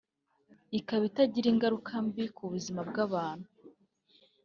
ikaba itagira ingaruka mbi ku buzima bw’abantu